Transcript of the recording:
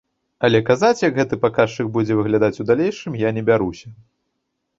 Але казаць, як гэты паказчык будзе выглядаць у далейшым, я не бяруся.